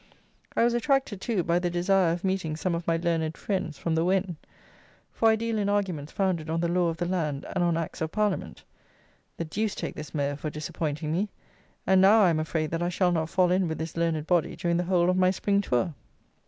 I was attracted, too, by the desire of meeting some of my "learned friends" from the Wen; for I deal in arguments founded on the law of the land, and on Acts of Parliament. The deuce take this mayor for disappointing me; and, now, I am afraid that I shall not fall in with this learned body during the whole of my spring tour.